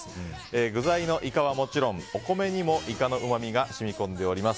具材のイカはもちろんお米にもイカのうまみが染み込んでおります。